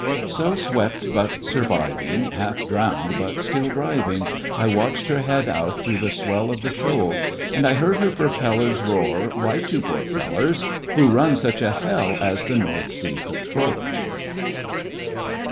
] So swept but surviving, half drovmed but still driving, I watched her head out through the swell off the shoal. And I heard her propellers roar: *' Write to poor fellers Who run such a Hell as the North Sea Patrol!"